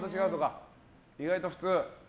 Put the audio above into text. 意外と普通。